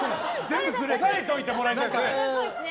押さえておいてもらいたいですね。